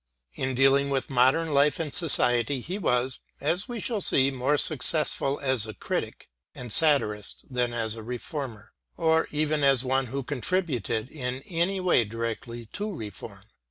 In dealing with modern life and society he was, as we shall see, more successful as a critic and satirist than as a reformer, or even as one who contributed in any way directly to reform.